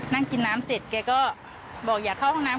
นั่งกินน้ำเสร็จแกก็บอกอย่าเข้าห้องน้ำ